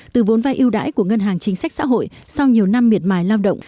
từ vốn vai yêu đãi của ngân hàng chính sách xã hội sau nhiều năm miệt mài lao động